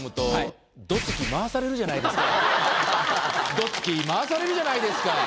どつきまわされるじゃないですか。